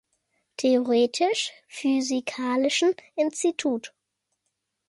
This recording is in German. Theoretisch-Physikalischen Institut.